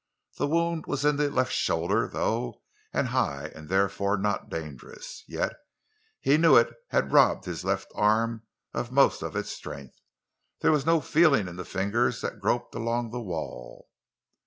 The wound was in the left shoulder, though, and high, and therefore not dangerous, yet he knew it had robbed his left arm of most of its strength—there was no feeling in the fingers that groped along the wall.